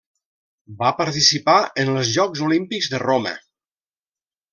Va participar en els Jocs Olímpics de Roma.